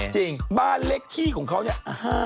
จริงบ้านเลขที่ของเขาเนี่ย